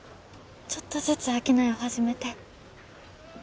ちょっとずつ商いを始めて。